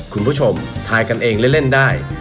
คุณผู้ชมทายกันเองเล่นได้